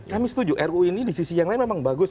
kami setuju ru ini di sisi yang lain memang bagus